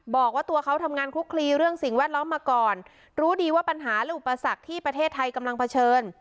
บอกว่าตัวเขาทำงานคลุกคลีเรื่องสิ่งแวดล้อมมาก่อนรู้ดีว่าปัญหาและอุปสรรคที่ประเทศไทยกำลังเผชิญ